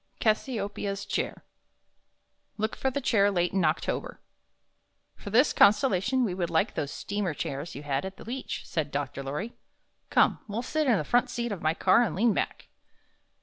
CASSIOPEIA'S CHAIR Look for the Chair late in October "For this constellation we would like those steamer chairs you had at the beach," said Dr. Lorry. "Come, we'll sit in the front seat of my car and lean back."